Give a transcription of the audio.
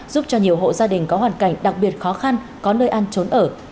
giúp cho nhiều hộ gia đình có hoàn cảnh đặc biệt khó khăn có nơi ăn trốn ở